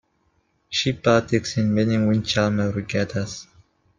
She partakes in many windjammer regattas.